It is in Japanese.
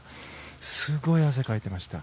すごい汗かいてました。